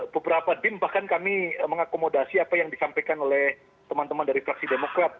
beberapa dim bahkan kami mengakomodasi apa yang disampaikan oleh teman teman dari fraksi demokrat